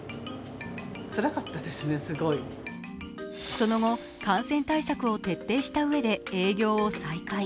その後、感染対策を徹底したうえで営業を再開。